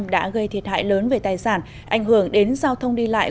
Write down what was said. đã gây thiệt hại lớn về tài sản ảnh hưởng đến giao thông đi lại